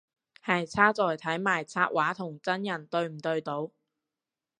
係差在睇埋插畫同真人對唔對到